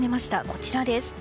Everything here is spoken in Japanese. こちらです。